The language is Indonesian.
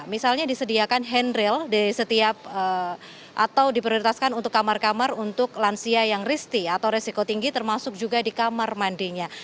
misalnya disediakan handrail di setiap atau diprioritaskan untuk kamar kamar untuk lansia yang risti atau resiko tinggi termasuk juga di kamar mandinya